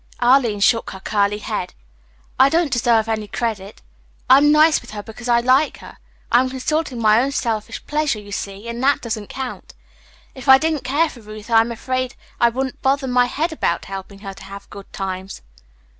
Arline shook her curly head. "I don't deserve any credit. I am nice with her because I like her. I am consulting my own selfish pleasure, you see, and that doesn't count. If I didn't care for Ruth I am afraid I wouldn't bother my head about helping her to have good times."